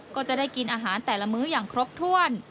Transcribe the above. ก็จะได้กินอาหารแต่ละมื้ออย่างครบถ้วน